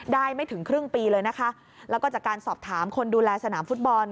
ไม่ถึงครึ่งปีเลยนะคะแล้วก็จากการสอบถามคนดูแลสนามฟุตบอล